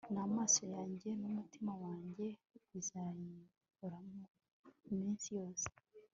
n'amaso yanjye n'umutima wanjye bizayihoramo iminsi yose